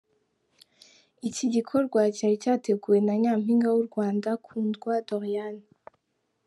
Iki gikorwa cyari cyateguwe na Nyampinga w’u Rwanda Kundwa Doriane.